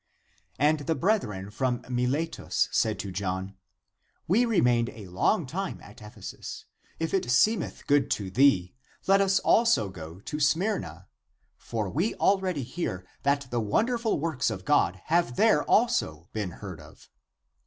And the brethren from Miletus said to John, " We remained a long time at Ephesus. If it seem eth good to thee, let us also go to Smyrna. For we already hear that the wonderful works of God have there also been heard of."